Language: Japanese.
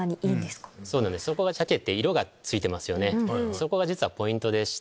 そこが実はポイントでして。